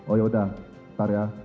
oh ya udah ntar ya